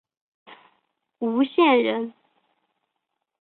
吴县人。